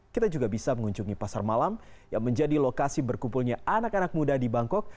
kita juga bisa mengunjungi pasar malam yang menjadi lokasi berkumpulnya anak anak muda di bangkok